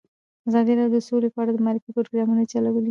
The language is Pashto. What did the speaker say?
ازادي راډیو د سوله په اړه د معارفې پروګرامونه چلولي.